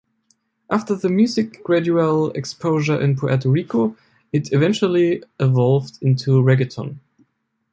After the music's gradual exposure in Puerto Rico, it eventually evolved into reggaeton.